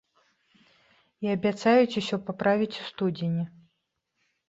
І абяцаюць усё паправіць у студзені.